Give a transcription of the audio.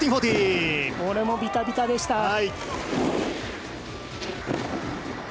これもビタビタでした。